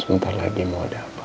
sebentar lagi mau ada apa